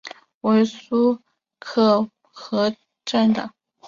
为苏克素护河部沾河寨长。